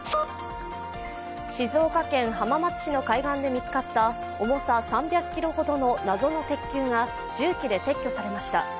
静岡県浜松市の海岸で見つかった重さ３００ｋｇほどの謎の鉄球が重機で撤去されました。